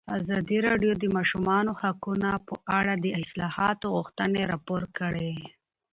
ازادي راډیو د د ماشومانو حقونه په اړه د اصلاحاتو غوښتنې راپور کړې.